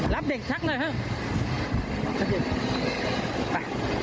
รับเด็กชักหน่อยครับ